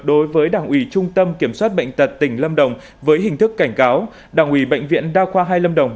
đối với đảng ủy trung tâm kiểm soát bệnh tật tỉnh lâm đồng với hình thức cảnh cáo đảng ủy bệnh viện đa khoa hai lâm đồng